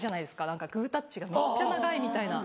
何かグータッチがめっちゃ長いみたいな。